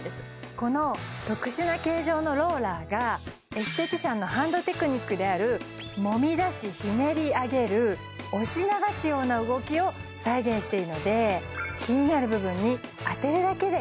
この特殊な形状のローラーがエステティシャンのハンドテクニックであるもみ出しひねり上げる押し流すような動きを再現しているので気になる部分に当てるだけでいいんです